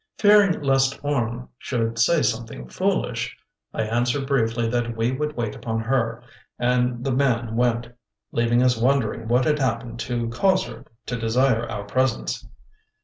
Fearing lest Orme should say something foolish, I answered briefly that we would wait upon her, and the man went, leaving us wondering what had happened to cause her to desire our presence.